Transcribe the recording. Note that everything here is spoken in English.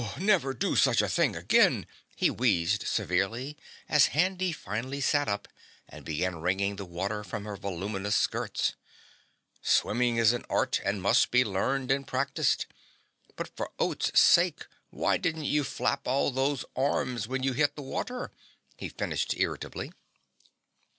"Never do such a thing again," he wheezed severely as Handy finally sat up and began wringing the water from her voluminous skirts. "Swimming is an art and must be learned and practiced. But for oat's sake, why didn't you flap all those arms when you hit the water?" he finished irritably.